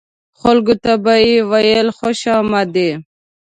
خلکو ته به یې ویل خوش آمدي.